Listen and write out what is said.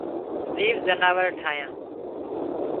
زيوَ زناور ٺاهيان